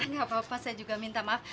nggak apa apa saya juga minta maaf